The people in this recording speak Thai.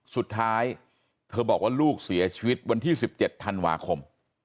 สุดท้ายเธอบอกว่าลูกเสียชีวิตวันที่๑๗ธันวาคม